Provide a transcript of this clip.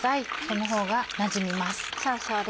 そのほうがなじみます。